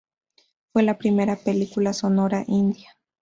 Fue la primera película sonora india.